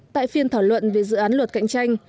tại phiên thảo luận về dự án luật cạnh tranh